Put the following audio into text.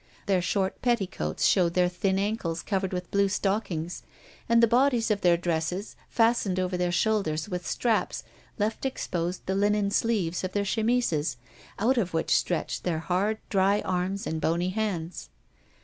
Their short petticoats showed their thin ankles covered with blue stockings, and the bodies of their dresses fastened over their shoulders with straps left exposed the linen sleeves of their chemises, out of which stretched their hard, dry arms and bony hands.